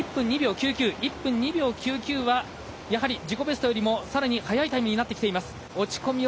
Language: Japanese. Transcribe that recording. １分２秒９９は自己ベストよりも速くかなり速いタイムになってきています。